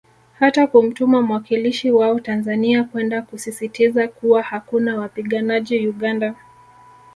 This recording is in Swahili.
Hata kumtuma mwakilishi wao Tanzania kwenda kusisisitiza kuwa hakuna wapiganajji Uganda